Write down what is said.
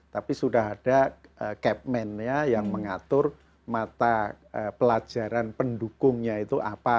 tapi sudah ada cap man nya yang mengatur mata pelajaran pendukungnya itu apa